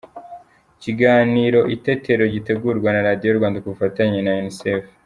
Ikiganiro Itetero gitegurwa na Radio Rwanda ku bufatanye na Unicef.